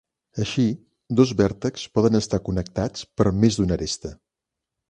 Així, dos vèrtexs poden estar connectats per més d'una aresta.